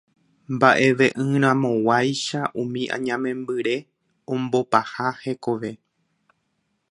mba'eve'ỹramoguáicha umi añamembyre ombopaha hekove